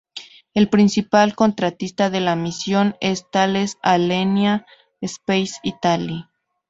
El principal contratista de la misión es Thales Alenia Space Italy.